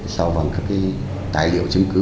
sau vòng các tài liệu chứng cứ